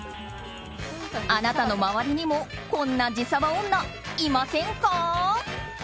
あなたの周りにもこんな自サバ女いませんか？